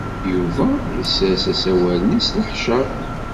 Yuba yessers asawal-nni s leḥceṛ.